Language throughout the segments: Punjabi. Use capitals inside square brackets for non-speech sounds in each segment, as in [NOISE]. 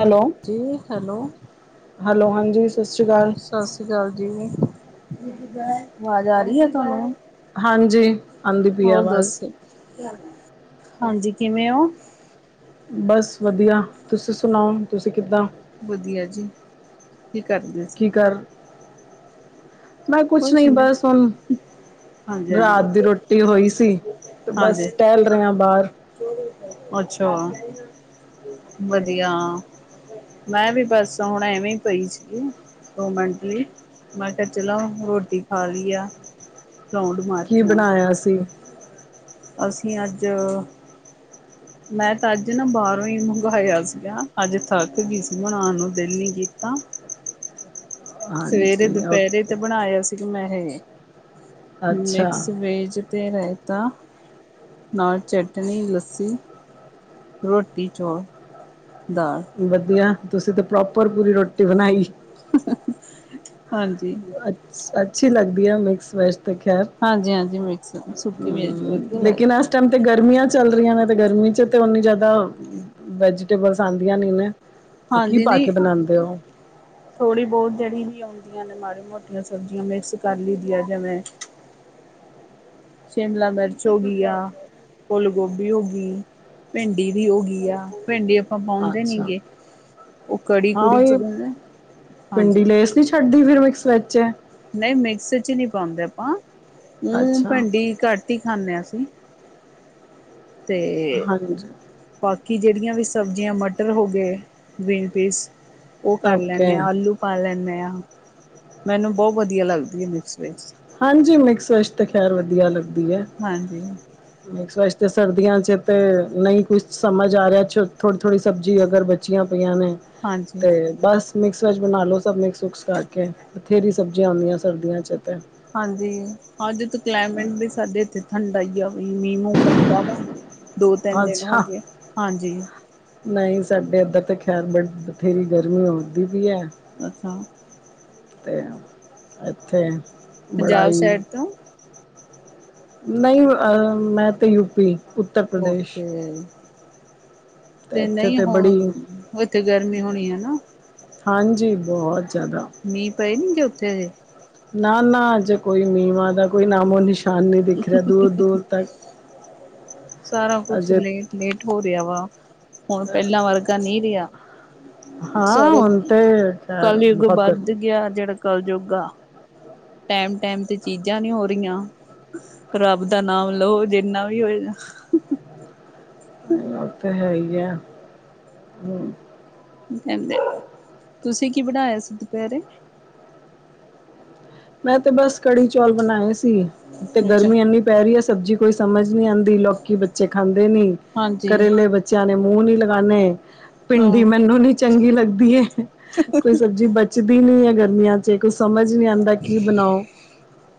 ਹੈਲੋ, ਜੀ ਹੈਲੋ ਹੈਲੋ ਹਾਂਜੀ ਸਸ਼੍ਰੀ ਕਾਲ। ਸਸ੍ਰੀ ਕਾਲ ਜੀ, ਆਵਾਜ਼ ਆ ਰਈ ਐ ਤੁਆਨੂੰ? ਹਾਂਜੀ, ਆਂਦੀ ਪਈ ਐ ਆਵਾਜ਼। ਹਾਂਜੀ ਕਿਵੇਂ ਓ? ਬਸ ਵਦੀਆ, ਤੁਸੀਂ ਸੁਣਾਓ ਤੁਸੀਂ ਕਿੱਦਾਂ? ਵਦੀਆ ਜੀ, ਕੀ ਕਰਦੇ ਕੀ ਸੀ? ਕਰ ਮੈਂ ਕੁਛ ਨਈਂ ਬਸ ਹੁਣ ਹਾਂਜੀ ਰਾਤ ਹਾਂਜੀ ਦੀ ਰੋਟੀ ਹੋਈ ਸੀ ਤੇ ਬਸ ਹਾਂਜੀ ਟੈਲ ਰਏ ਆਂ ਬਾਰ। ਅੱਛਾ, ਵਦੀਆ। ਮੈਂ ਵੀ ਬਸ ਹੁਣ ਐਵੇਂ ਈ ਪਈ ਸੀਗੀ, ਦੋ ਮਿੰਟ ਲਈ, ਮੈਂ ਕਿਆ ਚਲੋ ਰੋਟੀ ਖਾ ਲਈ ਆ, [UNINTELLIGIBLE] ਕੀ ਆਵਾਂ ਬਣਾਇਆ ਸੀ? ਅਸੀਂ ਅੱਜ ਮੈਂ ਤਾਂ ਅੱਜ ਨਾ ਬਾਹਰੋਂ ਹੀ ਮੰਗਵਾਇਆ ਸੀਗਾ ਅੱਜ ਥੱਕ ਗਈ ਸੀ ਬਣਾਉਣ ਨੂੰ ਦਿਲ ਨ ਕੀਤਾ ਸਵੇਰੇ ਹਾਂਜੀ ਦੁਪਹਿਰੇ ਓਕੇ ਤੇ ਬਣਾਇਆ ਸੀਗਾ ਮੈਂ ਇਹ ਅੱਛਾ ਮਿਕਸ ਵੇਜ ਅਤੇ ਰਾਇਤਾ ਨਾਲ ਚਟਣੀ ਲੱਸੀ ਰੋਟੀ ਚੌਲ ਦਾਲ ਵਧੀਆ ਤੁਸੀਂ ਤਾਂ ਪ੍ਰੋਪਰ ਪੂਰੀ ਰੋਟੀ ਬਣਾਈ [UNINTELLIGIBLE] ਅੱਛੀ ਲੱਗਦੀ ਹੈ ਮਿਕਸ ਵੈਜ ਤੇ ਖੈਰ ਹਾਂਜੀ ਹਾਂਜੀ ਅੱਛ ਸੁੱੱਕੀ ਵੀ ਜ ਵਧੀਆ ਲੱਗਦੀ ਲੇਕਿਨ ਇਸ ਟਾਈਮ ਤੇ ਗਰਮੀਆਂ ਚੱਲ ਰਹੀਆਂ ਨੇ ਤੇ ਗਰਮੀ ' ਤਾਂ ਉਨੀ ਜ਼ਿਆਦਾ ਵੈਜੀਟੇਬਲਸ ਆਉਂਦੀਆਂ ਨਹੀਂ ਨਾ ਹਾਂਜੀ ਨਹੀਂ ਥੋੜ੍ਹੀ ਬਹੁਤ ਜਿਹੜੀ ਵਿ ਆਉਂਦੀਆਂ ਨੇ ਮਾੜੀ ਮੋਟੀਆਂ ਸਬਜ਼ੀਆਂ ਮਿਕਸ ਕਰ ਲਈਦੀ ਹੈ ਜਿਵੇਂ ਸ਼ਿਮਲਾ ਮਿਰਚ ਹੋਗਿਆ ਫੁੱਲ ਗੋਭੀ ਹੋਗਈ ਭਿੰਡੀ ਵੀ ਹੋ ਗਈ ਆ ਭਿੰਡੀ ਆਪਾਂ ਪਾਉਂਦੇ ਅੱਛਾ ਨੇੀਗੇ ਉਹ ਕੜੀ ਹਾਂ ਕੁੜੀ ਚ ਉਹੀ ਪੈਂਦਾ ਹਾਂਜੀ ਪਿੰਡੀ ਲੇਸ ਛੱਡਦੀ ਫਿਰ ਮਿਕਸ ਵਿੱਚ ਨਹੀਂ ਮਿਕਸ ਚ ਨਹੀਂ ਪਾਉਂਦੇ ਆਪਾਂ ਉਹ ਅੱਛਾ ਭੰਡੀ ਘੱਟ ਹੀ ਖਾਂਦੇ ਹ ਅਸੀਂ ਅਤੇ ਹਾਂਜੀ ਬਾਕੀ ਜਿਹੜੀਆਂ ਵੀ ਸਬਜ਼ੀਆਂ ਮਟਰ ਹੋ ਗਏ ਬੀਨ ਪੀਸ ਉਹ ਕਰ ਓਕੇ ਲੈਂਦੇ ਹਾਂ ਆਲੂ ਪਾ ਲੈਂਦੇ ਹਾਂ ਮੈਨੂੰ ਬਹੁਤ ਵਧੀਆ ਲੱਗਦੀ ਹੈ ਮਿਕਸ ਵੈਜ ਹਾਂਜੀ ਮਿਕਸਸ਼ ਤੇ ਖੈਰ ਵਧੀਆ ਲੱਗਦੀ ਹੈ ਹਾਂਜੀ ਮਿਕਸ ਵੈਜ ਤੇ ਸਰਦੀਆਂ ਚ ਤੇ ਨਹੀਂ ਕੁਛ ਸਮਝ ਆ ਰਿਹਾ ਥੋੜੀ ਥੋੜ੍ਹੀ ਸਬਜ਼ੀ ਅਗਰ ਬਚ ਬੱਚਿਆਂ ਪਈਆਂ ਨੇ ਹਾਂਜੀ ਤੇ ਬਸ ਮਿਕਸ ਵੈੱਜ ਬਣਾ ਲਓ ਸਭ ਮਿਕਸ ਉਕਸ ਕਰਕੇ ਬਥੇਰੀ ਸਬਜ਼ੀਆਂ ਆਉਂਦੀਆਂ ਸਰਦੀਆਂ 'ਚ ਅਤੇ ਹਾਂਜੀ ਹਾਂ ਜੇਤੇ ਕਲਾਈਮੇਟ ਵੀ ਸਾਡੇ ਇੱਥੇ ਠੰਡਾ ਹੀ ਆ ਮੀਂਹ ਮੂੰਹ ਪੈਂਦਾ ਵਾ ਦੋ ਤਿੰਨ ਦਿਨ ਹੋ ਅੱਛਾ ਗਏ ਹਾਂਜੀ ਨਹੀਂ ਸਾਡੇ ਇੱਧਰ ਤਾਂ ਖੈਰ ਬੜ ਬਥੇਰੀ ਗਰਮੀ ਉਦੀ ਵੀ ਹੈ ਅੱਛਾ ਤੇ ਆ ਇੱਥੇ ਬੜਾ ਪੰਜਾਬ ਹੀ ਸਾਈਡ ਤੋਂ ਨਹੀਂ ਅਹ ਮੈਂ ਤੇ ਯੂਪੀ ਉੱਤਰ ਪ੍ਰਦੇਸ਼ ਓਕੇ ਤੇ ਨਹੀਂ ਹੁਣ ਉੱਥੇ ਗਰਮੀ ਹੋਣੀ ਹੈ ਨਾ ਹਾਂਜੀ ਬਹੁਤ ਜ਼ਿਆਦਾ ਮੀਂਹ ਪਏ ਨੀ ਜੇ ਉੱਥੇ ਦੇ ਨਾ ਨਾ ਅੱਜ ਕੋਈ ਮੀ ਮਾਂ ਦਾ ਕੋਈ ਨਾਮੋ ਨਿਸ਼ਾਨ ਨੀ ਦਿਖ ਰਿਹਾ ਦੂਰ ਦੂਰ ਤੱਕ ਸਾਰਾ ਕੁਛ ਅਜੇ ਲੇਟ ਲੇਟ ਹੋ ਰਿਹਾ ਵਾ ਹੁਣ ਪਹਿਲਾਂ ਵਰਗਾ ਨਹੀਂ ਰਿਹਾ ਹਾਂ ਸਾਰਾ ਹੁਣ ਤੇ ਖੈਰ ਕਲਯੁੱਗ ਬਹੁਤ ਵੱਧ ਗਰਮੀ ਗਿਆ ਜਿਹੜਾ ਕਲਯੁੱਗ ਆ ਟੈਮ ਟਾਈਮ ਤੇ ਚੀਜ਼ਾਂ ਨੀ ਹੋ ਰਹੀਆਂ ਰੱਬ ਦਾ ਨਾਮ ਲਓ ਜਿੰਨਾ ਵੀ ਹੋਏ ਉਹ ਤੇ ਹੈ ਹੀ ਆ ਹਮ ਕਹਿੰਦੇ ਤੁਸੀਂ ਕੀ ਬਣਾਇਆ ਸੀ ਦੁਪਹਿਰੇ ਮੈਂ ਤੇ ਬਸ ਕੜੀ ਚੌਲ ਬਣਾਏ ਸੀ ਤੇ ਅੱਛਾ ਗਰਮੀ ਇੰਨੀ ਪੈ ਰਹੀ ਹੈ ਸਬਜ਼ੀ ਕੋਈ ਸਮਝ ਨੀ ਆਉਂਦੀ ਲੋਕੀ ਬੱਚੇ ਖਾਂਦੇ ਨੀ ਹਾਂਜੀ ਘਰੇਲੇ ਬ ਬੱਚਿਆਂ ਨੇ ਮੂੰਹ ਨੀ ਲਗਾਨੇ ਭਿੰਡੀ ਹਾਂ। ਮੈਨੂੰ ਨੀ ਚੰਗੀ ਲੱਗਦੀ ਏ ਕੁਛ ਸਬਜ਼ੀ ਬਚਦੀ ਨੀ ਹੈ ਗਰਮੀਆਂ ਚ। ਕੁਝ ਸਮਝ ਨੀ ਆਉਂਦਾ ਕੀ ਬਣਾਓ।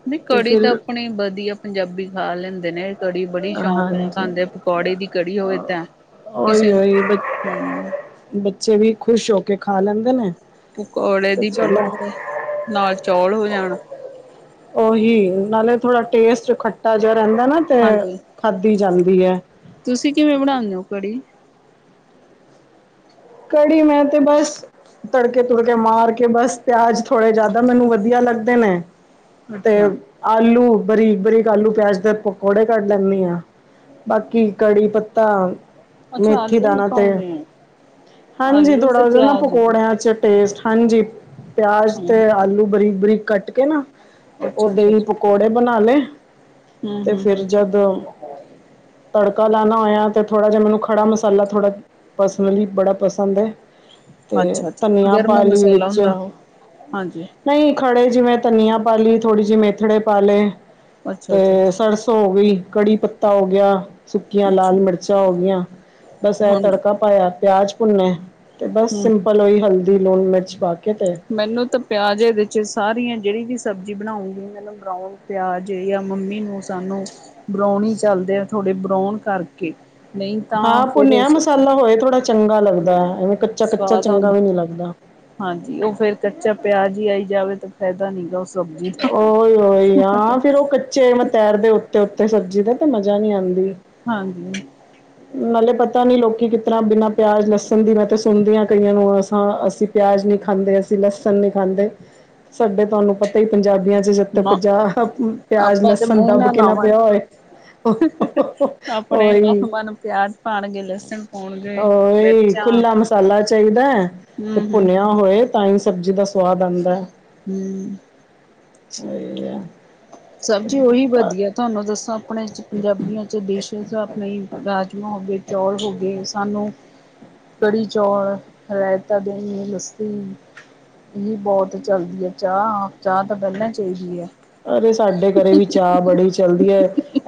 ਨਹੀਂ ਤੇ ਕੜੀ ਫਿਰ ਤਾਂ ਆਪਣੀ ਵਧੀਆ। ਪੰਜਾਬੀ ਖਾ ਲੈਂਦੇ ਨੇ ਕੜੀ ਬੜੀ ਸ਼ੌਂਕ ਨਾਲ ਹਾਂਜੀ ਖਾਂਦੇ। ਪਕੌੜੇ ਦੀ ਕੜੀ ਹੋਵੇ ਤਾਂ ਉਹੀ ਕਿਸੇ ਨੂੰ ਉਹੀ ਬ ਹੂ ਬੱਚੇ ਵੀ ਖੁਸ਼ ਹੋ ਕੇ ਖਾ ਲੈਂਦੇ ਨੇ ਪਕੌੜੇ ਤੇ ਦੀ ਚਲੋ ਹੋਵੇ। ਨਾਲ ਚੌਲ ਹੋ ਜਾਣ ਉਹੀ ਨਾਲੇ ਥੋੜਾ ਟੇਸਟ ਖੱਟਾ ਜਿਹਾ ਰਹਿੰਦਾ ਨਾ ਹਾਂਜੀ ਖਾਂਦੀ ਜਾਂਦੀ ਏ ਤੁਸੀਂ ਕਿਵੇਂ ਬਣਾਉਂਦੇ ਹੋ ਕੜੀ? ਕੜੀ ਮੈਂ ਤੇ ਬਸ ਤੜਕੇ ਤੂੜਕੇ ਮਾਰ ਕੇ ਬਸ। ਪਿਆਜ ਥੋੜ੍ਹੇ ਜਿਆਦਾ ਮੈਨੂੰ ਵਧੀਆ ਲੱਗਦੇ ਨੇ ਤੇ ਅੱਛਾ ਆਲੂ ਬਰੀਕ -ਬਰੀਕ ਆਲੂ- ਪਿਆਜ ਦੇ ਪਕੌੜੇ ਕੱਢ ਲੈਂਦੀ ਹਾਂ ਬਾਕੀ ਕੜੀ- ਪੱਤਾ ਅੱਛਾ ਮੇਥੀ ਆਲੂ ਵੀ ਦਾਣਾ ਤੇ ਪਾਉਂਦੇ ਆ ਹਾਂਜੀ ਆਲੂ ਥੋੜਾ ਤੇ ਹੋ ਜਾਂਦਾ ਪਿਆਜ ਵੀ ਪਕੌੜਿਆਂ ਚ ਟੇਸਟ ਹਾਨਜੀ। ਪਿਆਜ ਤੇ ਆਲੂ ਬਰੀਕ -ਬਰੀਕ ਕੱਟ ਕੇ ਨਾ ਤੇ ਉਹ ਅੱਛਾ ਅੱਛਾ ਦਹੀਂੱਕ ਅੱਛਾ ਪਕੌੜੇ ਬਣਾ ਲਏ। ਹਮ ਤੇ ਹਮ ਫਿਰ ਹਮ ਜਦ ਤੜਕਾ ਲਾਉਣਾ ਹੋਇਆ ਤੇ ਥੋੜ੍ਹਾ ਜਿਹਾ ਮੈਨੂੰ ਖੜਾ ਮਸਾਲਾ ਥੋੜਾ ਲਈ ਬੜਾ ਪਸੰਦ ਹੈ। ਤੇ ਅੱਛਾ ਅੱਛਾ ਧਨੀਆ ਗਰਮ ਪਾ ਲਈ ਮਸਾਲਾ ਵਿੱਚ ਹੁੰਦਾ ਉਹ ਹਾਂਜੀ ਨਹੀਂ ਖੜੇ। ਜਿਵੇਂ ਧਨੀਆ ਪਾ ਲਈ। ਥੋੜ੍ਹੀ ਜਿਹੀ ਮੇਥੜੇ ਪਾ ਲਏ ਅੱਛਾ ਅੱਛਾ ਤੇ ਅੱਛਾ ਸਰਸੋਂ ਹੋ ਗਈ। ਕੜੀ ਪੱਤਾ ਹੋ ਗਿਆ। ਸੁੱਕੀਆਂ ਅੱਛਾ ਲਾਲ ਮਿਰਚਾਂ ਮਿਰਚਾਂ ਹੋ ਗਇਆ। ਬਸ ਇਹ ਹਾਂਜੀ ਤੜਕਾ ਪਾਇਆ। ਪਿਆਜ ਭੁੰਨੇ ਤੇ ਬਸ ਹਮ ਸਿੰਪਲ ਉਹੀ ਹਲਦੀ ਹਲਦੀ, ਲੂਣ, ਮਿਰਚ ਪਾ ਕੇ ਤੇ ਮੈਨੂੰ ਤਾਂ ਪਿਆਜ਼ ਇਹਦੇ ਚ, ਸਾਰੀਆਂ ਜਿਹੜੀ ਵੀ ਸਬਜ਼ੀ ਬਣਾਉਂਗੀ। ਮੈਨੂੰ ਬਰਾਊਨ ਪਿਆਜ਼ ਜਾਂ ਮੰਮੀ ਨੂੰ ਸਾਨੂੰ ਬਰਾਉਣੀ ਚੱਲਦੇ ਆ ਥੋੜੇ ਬਰਾਉਣ ਕਰਕੇ ਨਹੀਂ ਤਾਂ ਹਾਂ ਫਿਰ ਭੁੰਨਿਆ ਉਸ ਮਸਾਲਾ ਹੋਏ ਥੋੜ੍ਹਾ ਚੰਗਾ ਲੱਗਦਾ ਹੂੰ ਹੈ। ਐਵੇਂ ਕੱਚਾ- ਕੱਚਾ ਸਵਾਦ ਚੰਗਾ ਆਉਂਦਾ ਵੀ ਨਹੀਂ ਲੱਗਦਾ ਹਾਂਜੀ ਉਹ ਫੇਰ ਕੱਚਾ ਪਿਆਜ ਈ ਆਈ ਜਾਵੇ ਤਾਂ ਫਾਇਦਾ ਨੀ ਗਾ ਉਹ ਸਬਜ਼ੀ ਦਾ ਓਹੀ- ਓਹੀ ਆਂ ਫੇਰ ਉਹ ਕੱਚੇ ਏਵੇ ਤੈਰਦੇ ਉੱਤੇ- ਉੱਤੇ ਸਬਜ਼ੀ ਦਾ ਤੇ ਮਜ਼ਾ ਨਹੀਂ ਆਉਂਦੀ ਹਾਂਜੀ ਨਾਲੇ ਪਤਾ ਨੀ। ਲੋਕੀ ਕਿਸ ਤਰ੍ਹਾਂ ਬਿਨਾਂ ਪਿਆਜ, ਲਸਣ ਦੀ ਮੈਂ ਤੇ ਸੁਣਦੀ ਹਾਂ ਕਈਆਂ ਨੂੰ ਅਸੀਂ ਪਿਆਜ ਨੀ ਖਾਂਦੇ। ਅਸੀਂ ਲਸਣ ਨੀ ਖਾਂਦੇ। ਸਾਡੇ ਤੁਹਾਨੂੰ ਪਤਾ ਈ ਪੰਜਾਬੀਆਂ ਚ ੱ ਤੇ ਨਾ ਪਿਆਜ ਆਪਾਂ ਤੇ ਲਸਣ ਮੂੰਹ ਦੱਬ ਕੇ ਨਾ ਲਾਵਣ ਪਿਆ ਹੋਏ ਆਪਣੇ ਨੋ ਉਹੀ ਮਨ ਪਿਆਜ ਪਾਉਣਗੇ। ਲਸਣ ਪਾਉਣਗੇ ਉਹੀ ਮਿਰਚਾਂ ਖੁੱਲਾ ਮਸਾਲਾ ਚਾਹੀਦਾ ਹੈ। ਤੇ ਹੂੰ ਹੂੰ ਭੁੰਨਿਆ ਹੋਏ ਤਾਂ ਹੀ ਸਬਜ਼ੀ ਦਾ ਸਵਾਦ ਆਉਂਦਾ ਹੂ ਅਹੀ [UNINTELLIGIBLE] ਸਬਜ਼ੀ ਉਹੀ ਵਧੀਆ। ਤੁਹਾਨੂੰ ਦੱਸਾ ਆਪਣੇ ਚ ਪੰਜਾਬੀਆਂ ਚ ਡਿਸ਼ਿਜ਼। ਆਪਣੇ ਰਾਜਮਹ ਹੋ ਗਏ। ਚੌਲ ਹੋ ਗਏ। ਸਾਨੂੰ ਕੜੀ- ਚੌਲ। ਰਾਇਤਾ, ਦਈ, ਲੱਸੀ ਇਹ ਬਹੁਤ ਚੱਲਦੀ ਹੈ। ਚਾਹ- ਚਾਹ ਤਾਂ ਪਹਿਲਾਂ ਚਾਹੀਦੀ ਐ। ਅਰੇ ਸਾਡੇ ਘਰੇ ਵੀ ਚਾਅ ਬੜੀ ਚੱਲਦੀ ਐ।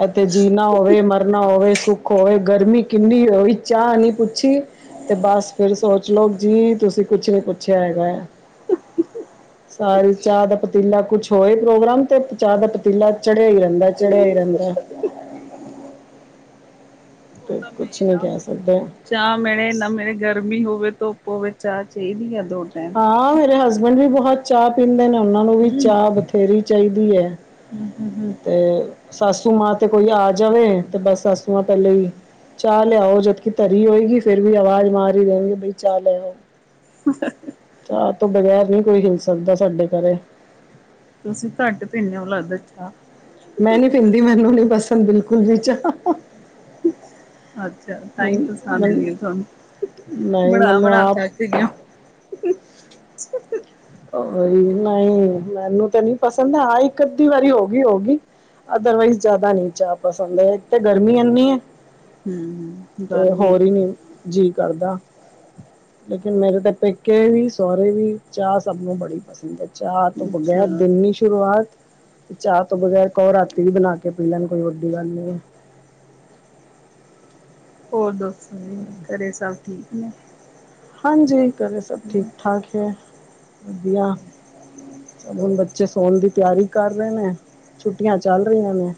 ਇੱਥੇ ਜੀਣਾ ਹੋਵੇ। ਮਰਨਾ ਹੋਵੇ ਸੁੱਖ ਖੋਏ ਗਰਮੀ ਕਿੰਨੀ ਹੋਈ। ਚਾਹ ਨੀ ਪੁੱਛੀ ਤੇ ਬਸ ਫਿਰ ਸੋਚ ਲੋਓ ਜੀ। ਤੁਸੀਂ ਕੁਛ ਨੀ ਪੁੱਛਿਆ ਹੈਗਾ ਆ [UNINTELLIGIBLE] ਘਰ ਚਾਹ ਦਾ ਪਤੀਲਾ ਕੁਝ ਹੋਰ ਹੀ ਪ੍ਰੋਗਰਾਮ ਤੇ ਚਾਹ ਦਾ ਪਤੀਲਾ ਚੜ੍ਹਿਆ ਹੀ ਰਹਿੰਦਾ ਚੜਿਆ ਹੀ ਰਹਿੰਦਾ ਉਹ ਤੇ ਤਾਂ ਕੁਛ ਮੇਨ ਨੀ ਆ ਕਹਿ ਸਕਦੇ ਚਾਹ ਮਿਲੇ ਨਾ ਮਿਲੇ ਗਰਮੀ ਹੋਵੇ, ਧੁਪ ਹੋਏ, ਚਾਹ ਚਾਹੀਦੀ ਹੈ ਦੋਨੋ ਹਾਂ ਮੇਰੇ ਹਸਬੈਂਡ ਵੀ ਬਹੁਤ ਚਾਹ ਪੀਂਦੇ ਨੇ, ਉਹਨਾਂ ਨੂੰ ਵੀ ਚਾਹ ਬਥੇਰੀ ਚਾਹੀਦੀ ਹੈ। ਹੂ- ਹੂ-ਹੂ ਤੇ ਸਸੂ ਮਾਂ ਤੇ ਕੋਈ ਆ ਜਾਵੇ ਤੇ ਬਸ ਸਸੂ ਮਾਂ ਪਹਿਲੇ ਹੀ। ਚਾਹ ਲਿਆਓ ਜਦਕਿ ਧਰੀ ਹੋਏਗੀ ਫਿਰ ਵੀ ਆਵਾਜ਼ ਮਾਰ ਈ ਦੇਣਗੇ ਬਈ ਚਾਹ ਲਿਆਓ। [UNINTELLIGIBLE] ਚਾਹ ਤੋਂ ਬਗੈਰ ਨਹੀਂ ਕੋਈ ਹਿਲ ਸਕਦਾ ਸਾਡੇ ਘਰੇ। ਤੁਸੀਂ ਘੱਟ ਪੀਦੇ ਓ? ਲੱਗਦੈ ਚਾਹ। ਮੈਂ ਨੀ ਪੀਂਦੀ ਮੈਨੂੰ ਨਹੀ ਪਸੰਦ ਬਿਲਕੁਲ ਵੀ ਚਾਹ। [UNINTELLIGIBLE] ਅੱਛਾ ਤਾਂਹੀ ਮਨ ਪਸੰਦ ਮਨ ਨੀ ਆ ਤੁਹਾਨੂੰ। ਨਹੀਂ ਮੈਨੂੰ ਬਣਾ-ਬਣਾ ਆਪ ਕੇ ਭਿੰਡੀਆ ਔਹੀ ਨਹੀਂ ਮੈਨੂੰ ਤਾਂ ਨੀ ਪਸੰਦ ਹਾਂ ਇੱਕ ਅੱਧੀ ਵਾਰੀ ਹੋ ਗਈ ਹੋ ਗਈ। ਅਦਰਵਾਈਜ਼ ਜ਼ਿਆਦਾ ਨੀ ਚਾਹ ਪਸੰਦ ਇਥੇ ਗਰਮੀ ਐਨੀ ਏ। ਹਮ ਤੇ ਗਰਮੀ ਹੋਰ ਈ ਨੀ। ਜੀ ਕਰਦਾ। ਲੇਕਿਨ ਮੇਰੇ ਤੇ ਪੇਕੇ ਵੀ, ਸਹੁਰੇ ਵੀ ਚਾਹ ਸਭ ਨੂੰ ਬੜੀ ਪਸੰਦ ਐ ਚਾਹ ਤੋਂ ਬਗੈਰ ਅੱਛਾ ਦਿਨ ਸ਼ੁਰੂਆਤ ਚਾਹ ਤੋਂ ਬਗ਼ੈਰ ਕਹੋ ਰਾਤੀ ਵੀ ਬਣਾ ਕੇ ਪੀ ਲੈਣ ਕੋਈ ਵੱਡੀ ਗੱਲ ਨੀ ਹੈ। ਹੋਰ ਦਸੋ ਜੀ ਘਰੇ ਸਭ ਠੀਕ ਨੇ? ਹਾਂਜੀ ਘਰੇ ਸਭ ਠੀਕ -ਠਾਕ ਐ ਵਦੀਆ। ਚਲੋ ਬੱਚੇ ਸੋਣ ਦੀ ਤਿਆਰੀ ਕਰ ਰਹੇ ਨੇ ਛੁੱਟੀਆਂ ਚੱਲ ਰਹੀਆਂ ਨੇ।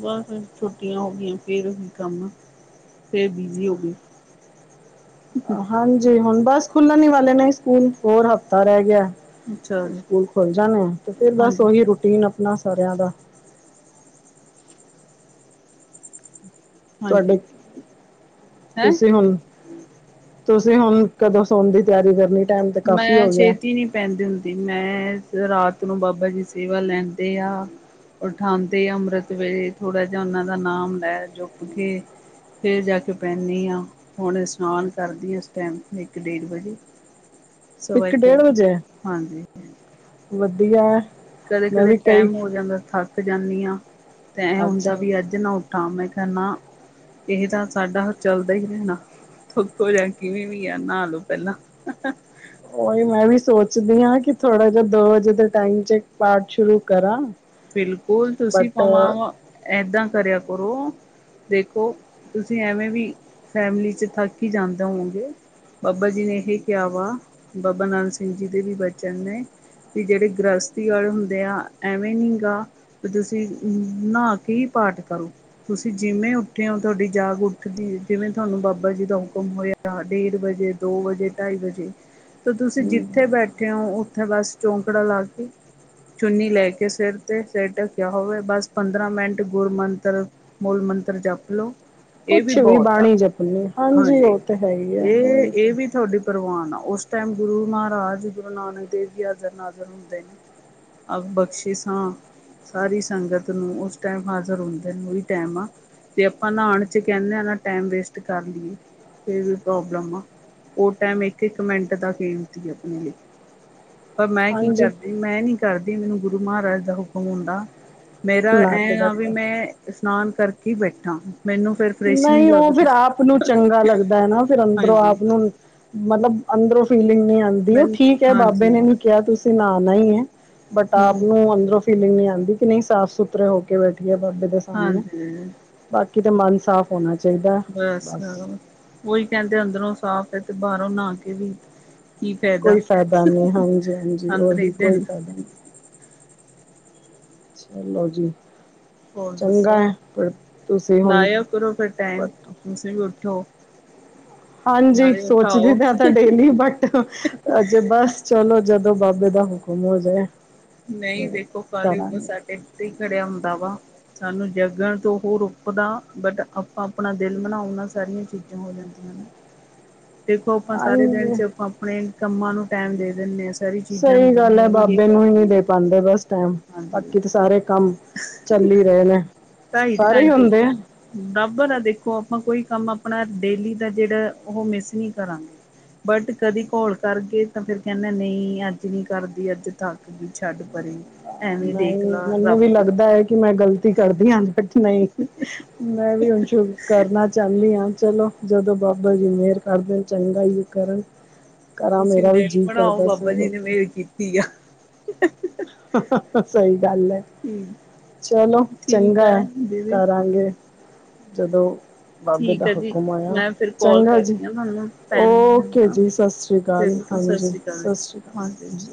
ਬਸ ਛੁੱਟੀਆਂ ਹੋ ਗਈਆਂ ਫੇਰ ਉਹੀ ਕੰਮ ਆ। ਫਿਰ ਬਿਜ਼ੀ ਹੋ ਗਏ। ਹਾਂਜੀ ਹੁਨ ਬਸ ਖੁੱਲਣ ਈ ਵਾਲੇ ਨੇ ਸਕੂਲ ਹੋਰ ਹਫ਼ਤਾ ਰਹਿ ਗਿਐ। ਅੱਛਾ ਜੀ ਸਕੂਲ ਖੁੱਲ ਜਾਣ ਤੇ ਫਿਰ ਬਸ ਹਾਂਜੀ ਓਹੀ ਰੂਟੀਨ ਆਪਣਾ ਸਾਰਿਆਂ ਦਾ। ਹਾਂਜੀ ਤੁਹਾਡੇ। ਹੈਂ ਤੁਸੀਂ ਹੁਨ ਤੁਸੀਂ ਹੁਣ ਕਦੋਂ ਸੋਣ ਦੀ ਤਿਆਰੀ ਕਰਨੀ ਟਾਈਮ ਤੇ ਕਾਫੀ ਮੈਂ ਹੋ ਗਿਐ? ਛੇਤੀ ਨਹੀਂ ਪੈਂਦੀ ਹੁੰਦੀ ਮੈਂ ਰਾਤ ਨੂੰ ਬਾਬਾ ਜੀ ਸੇਵਾ ਲੈਂਦੇ ਹੁੰਦੇ ਆ। ਉਠਾਨਤੇ ਅੰਮ੍ਰਿਤ ਵੇਲੇ ਥੋੜਾ ਜਿਹਾ ਉਹਨਾਂ ਦਾ ਨਾਮ ਲੈ ਜੋਪ ਕੇ। ਫਿਰ ਜਾ ਕੇ ਪੈਂਨੀ ਆ ਹੁਣ ਇਸ਼ਨਾਨ ਕਰਦੀ ਆ ਉਸ ਟਾਈਮ ਇੱਕ -ਡੇਢ ਵਜੇ। ਸਵਾ ਇੱਕ ਇਕ ਵ ਡੇਢ ਵਜੇ ਹਾਂਜੀ। ਵਧੀਆ। ਮੈਂ ਕਦੇ-ਕਦੇ ਵੀ ਕਈ ਟੈਮ ਹੋ ਜਾਂਦਾ ਥੱਕ ਜਾਂਨੀ ਆ ਤੇ ਐਹ ਹੁੰਦਾ ਅੱਛਾ ਵੀ ਅੱਜ ਕਿ ਨਾ ਉੱਠਾ ਮੈਂ ਕਿਹਾ ਨਾ। ਇਹ ਤਾਂ ਸਾਡਾ ਚੱਲਦਾ ਹੀ ਰਹਿਣਾ। ਥੋੱਕੋ ਜਾ ਕਿਵੇਂ ਵੀ ਆ ਨਾ ਲਓ ਪਹਿਲਾਂ। ਉਹੀ ਮੈਂ ਵੀ ਸੋਚਦੀ ਆ ਕਿ ਥੋੜਾ ਜਿਹਾ ਦੋ ਵਜੇ ਦੇ ਟਾਈਮ 'ਚ ਪਾਠ ਸ਼ੁਰੂ ਕਰਾਂ। ਬਿਲਕੁਲ ਤੁਸੀਂ ਬਟ ਭਵਾਂਵਾ ਏਦਾਂ ਕਰਿਆ ਕਰੋ ਦੇਖੋ ਤੁਸੀਂ ਐਵੇਂ ਵੀ ਫੈਮਿਲੀ 'ਚ ਥੱਕ ਹੀ ਜਾਂਦੇ ਹੋਂਗੇ। ਬਾਬਾ ਜੀ ਨੇ ਇਹ ਕਿਹਾ ਵਾ ਬਾਬਾ ਨੰਦ ਸਿੰਘ ਜੀ ਦੇ ਵੀ ਬਚਨ ਨੇ। ਕੀ ਜੇੜ੍ਹੇ ਗ੍ਰਹਸਤੀ ਵਾਲੇ ਹੁੰਦੇ ਯਾਂ ਅਵੇ ਨੀ ਨਾ ਤੁਸੀਂ ਨਹਾ ਕੇ ਹੀ ਪਾਠ ਕਰੋ। ਤੁਸੀਂ ਜਿਵੇਂ ਉੱਠੇ ਹੋ ਤੁਹਾਡੀ ਜਾਗ ਉੱਠਦੀ ਏ। ਜਿਵੇਂ ਤੁਹਾਨੂੰ ਬਾਬਾ ਜੀ ਦਾ ਹੁਕਮ ਹੋਇਆ। ਡੇਢ ਵਜੇ, ਦੋ ਵਜੇ, ਢਾਈ ਵਜੇ। ਤਾਂ ਤੁਸੀਂ ਜਿੱਥੇ ਬੈਠੇ ਹੋ, ਉੱਥੇ ਬਸ ਚੌਂਕੜਾ ਲਾ ਕੇ, ਚੁੰਨੀ ਲੈ ਕੇ ਸਿਰ ਤੇ ਸਿਰ ਢੱਕਿਆ ਹੋਵੇ। ਬਸ ਪੰਦਰਾਂ ਮਿੰਟ ਗੁਰ ਮੰਤਰ, ਮੂਲ ਮੰਤਰ ਜਪ ਲਓ। ਇਹ ਵੀ ਕੁਛ ਬਹੁਤ ਆ। ਬਾਣੀ ਜਪਣੀ ਹਾਂਜੀ। ਉਹ ਤੇ ਹੈ ਹੀ ਆ ਇਹ- ਉਹੀ ਤਾਂ ਇਹ ਵੀ ਤੁਹਾਡੀੇ ਪਰਵਾਨ ਅ, ਉਸ ਟਾਈਮ ਗੁਰੂ ਮਹਾਰਾਜ, ਗੁਰੂ ਨਾਨਕ ਦੇਵ ਜੀ ਹਾਜ਼ਰ -ਨਾਜ਼ਰ ਹੁੰਦੇ ਨੇ। ਅ, ਬਖਸ਼ਿਸਾ। ਸਾਰੀ ਸੰਗਤ ਨੂੰ, ਉਸ ਟਾਈਮ ਹਾਜ਼ਰ ਹੁੰਦੇ ਨੇ ਉਹੀ ਟਾਈਮ ਆ। ਤੇ ਆਪਾਂ ਨਹਾਉਣ 'ਚ ਕਹਿੰਦੇ ਹਾਂ ਨਾ, ਟਾਈਮ ਵੇਸਟ ਕਰ ਲਈਏ, ਇਹ ਵੀ ਪ੍ਰੋਬਲਮ ਆ। ਉਹ ਟਾਈਮ ਇੱਕ -ਇੱਕ ਮਿੰਟ ਦਾ ਕੀਮਤੀ ਆਪਣੇ ਲਈ। ਪਰ ਮੈਂ ਕੀ ਹਾਂਜੀ ਕਰਦੀ, ਮੈਂ ਨੀ ਕਰਦੀ ਮੈਨੂੰ ਗੁਰੂ ਮਹਾਰਾਜ ਦਾ ਹੁਕਮ ਹੁੰਦਾ। ਮੇਰਾ ਬਣਾ ਐ ਕੇ ਆ, ਵੀ ਬੈਠਾ ਮੈਂ ਇਸ਼ਨਾਨ ਕਰਕੇ ਬੈਠਾ। ਮੈਨੂੰ ਫਿਰ ਫਰੈਸ਼ ਨਹੀਂ, ਉਹ ਲੱਗਦਾ। ਫਿਰ ਆਪ ਨੂੰ ਚੰਗਾ ਲੱਗਦਾ ਹੈ। ਨਾ ਫਿਰ ਅੰਦਰੋਂ ਹਾਂਜੀ ਆਪ ਨੂੰ ਮਤਲਬ ਅੰਦਰੋਂ ਫੀਲਿੰਗ ਨੀ ਆਉਂਦੀ। ਉਹ ਮੈਨੂੰ ਠੀਕ ਹੈ ਬਾਬੇ ਹਾਂਜੀ ਨੇ ਨਹੀਂ ਕਿਹਾ ਤੁਸੀਂ ਨਾਉਣਾ ਹੀ ਹੈ। ਬਟ ਆਪ ਹੂੰ ਨੂੰ ਅੰਦਰੋਂ ਫੀਲਿੰਗ ਨਹੀਂ ਆਉਂਦੀ ਕਿ ਨਹੀਂ ਸਾਫ਼ -ਸੁਥਰੀ ਸੁੱਥਰੇ ਹੋ ਕੇ ਬੈਠਿਏ ਬਾਬੇ ਦੇ ਸਾਹਮਣੇ। ਹਾਂਜੀ ਬਾਕੀ ਤੇ ਮਨ ਸਾਫ਼ ਹੋਣਾ ਚਾਹੀਦਾ। ਬਸ, ਉਹੀ ਕਹਿੰਦੇ ਅੰਦਰੋਂ ਸਾਫ਼ ਹੈ ਤੇ ਬਾਹਰੋਂ ਨਹਾ ਕੇ ਵੀ ਕੋਈ ਫਾਇਦਾ ਨੀ। ਹਾਂਜੀ- ਹਾਂਜੀ। ਅੰਦਰ ਹੀ ਉਹੀ ਕੋਈ ਦਿਨ ਫਾਇਦਾ ਨੀ। ਚਲੋ ਜੀ। ਹੋਰ ਚੰਗਾ ਦੱਸੋ ਹੈ। ਫ਼ਿਰ ਤੁਸੀਂ ਹੁਣ ਲਾਇਆ ਕਰੋ ਫਿਰ ਟਾਈਮ ਤੁਸੀਂ ਵੀ ਉੱਠੋ। ਹਾਂਜੀ। ਨਾਲੇ ਸੋਚਦੀ ਉਠਾਓ। ਤਾਂ ਡੇਲੀ ਬਟ ਬਸ ਚਲੋ, ਜਦੋਂ ਬਾਬੇ ਦਾ ਹੁਕਮ ਹੋ ਜਾਏ। ਨਹੀਂ ਫਿਰ ਦੇਖੋ, ਕਲਯੁੱਗ ਤਾਂ ਕਰਾਂਗੇ ਸਾਡੇ ਉੱਤੇ ਹੀ ਖੜਿਆ ਹੁੰਦਾ ਵਾ। ਸਾਨੂੰ ਜਗਣ ਤੋਂ ਉਹ ਰੋਕਦਾ, ਬਟ ਆਪਾਂ ਆਪਣਾ ਦਿਲ ਬਨਾਓਨਾਂ ਸਾਰੀਆਂ ਚੀਜ਼ਾਂ ਹੋ ਜਾਣ। ਹ। [INAUDIBLE] ਦੇਖੋ ਆਪਾਂ ਸਾਰੇ ਦਿਨ ਹਾਂਜੀ ਚ' ਆਪਾਂ ਆਪਣੇ ਕੰਮਾਂ ਨੂੰ ਟਾਈਮ ਦੇ ਦਿੰਦੇ ਹਾਂ। ਸਾਰੀ ਚੀਜ਼ਾਂ ਨੂੰ ਸਹੀ ਗੱਲ ਦਿੰਦੇ ਹੈ ਹਾਂ, ਵੀ ਬਾਬੇ ਕਰ। ਨੂੰ ਨਹੀਂ ਦੇ ਪਾਉਂਦੇ ਬਸ ਟਾਈਮ, ਬਾਕੀ ਤਾਂ ਸਾਰੇ ਕੰਮ ਚੱਲ ਹੀ ਰਹੇ ਨੇ। ਕਹੀ ਸਾਰੇ ਹੀ ਘਣਟੇ। ਹੁੰਦੇ ਆ [UNINTELLIGIBLE] ਬਰਾਬਰ ਆ ਦੇਖੋ ਆਪਾਂ ਕੋਈ ਕੰਮ ਆਪਣਾ ਡੇਲੀ ਦਾ ਜਿਹੜਾ ਉਹ ਮਿਸ ਨਹੀਂ ਕਰਾਂਗੇ। ਬਟ ਕਦੇ ਘੋਲ ਕਰਕੇ ਤਾਂ ਫਿਰ ਕਹਿੰਦੇ ਨਹੀਂ ਅੱਜ ਨਹੀਂ ਕਰਦੀ, ਅੱਜ ਥਕ ਛੱਡ। ਪਰੇ। ਐਵੇਂ ਦੇਖ ਨਹੀਂ ਲਾ ਮੈਨੂੰ ਵੀ ਰੱਬ ਦੀ ਲੱਗਦਾ ਹੈ। ਕਿ ਮੈਂ ਗਲਤੀ ਕਰਦੀ ਹਾਂ। ਬਟ ਨਹੀਂ, ਮੈਂ ਵੀ ਹੁਣ ਸ਼ੁਰੂ ਕਰਨਾ ਚਾਹੁੰਦੀ ਹਾਂ। ਚਲੋ। ਜਦੋਂ ਬਾਬਾ ਜੀ ਮੇਹਰ ਕਰ ਦੇਨ ਚੰਗਾ ਹੀ ਹੈ ਕਰਨ। ਕਰਾਂ, ਤੁਸੀਂ ਮੇਰਾ ਵੀ ਜੀਅ ਕਰਦਾ ਸਵੇਰੇ ਉੱਠਕੇ ਠੀਕ ਆ। ਹਾਂ- ਹਾਂ। ਸਹੀ ਗੱਲ ਹੈ। ਚਲੋ, ਠੀਕ ਚੰਗਾ ਆ ਹੈ। ਦੀਦੀ ਕਰਾਂਗੇ, ਜਦੋਂ ਬਾਬੇ ਦਾ ਠੀਕ ਆ ਜੀ ਹੁਕਮ ਹੋਇਆ। ਮੈਂ ਫਿਰ ਕਾਲ ਚੰਗਾ ਜੀ। ਕਰਦੀ ਹਾਂ ਤੁਹਾਨੂੰ ਪੈਣੀ ਆ ਓਕੇ ਹਨਾ। ਜੀ, ਸਤਿ ਸ਼੍ਰੀ ਅਕਾਲ। ਠੀਕ ਆ ਸਤਿ ਹਾਂਜੀ। ਸ਼੍ਰੀ ਅਕਾਲ। ਸਤਿ ਜੀ, ਸ਼੍ਰੀ ਹਾਂਜੀ। ਅਕਾਲ ਜੀ।